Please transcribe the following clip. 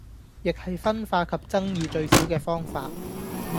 亦係分化及爭議最少既方法